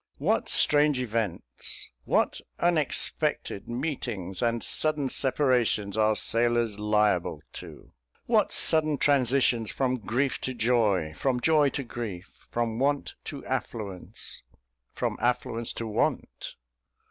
What strange events what unexpected meetings and sudden separations are sailors liable to what sudden transitions from grief to joy, from joy to grief, from want to affluence, from affluence to want!